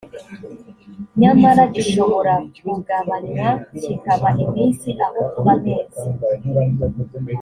nyamara gishobora kugabanywa kikaba iminsi aho kuba amezi